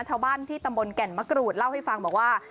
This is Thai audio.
ชาวบ้านที่ตำบลแก่นมะกรูดเล่าให้ฟังบอกว่า